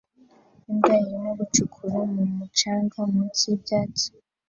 Imbwa irimo gucukura mu mucanga munsi y'ibyatsi